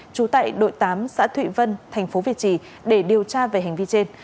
trú tại đội tám xã thụy vân tp việt trì để điều tra về hành vi trên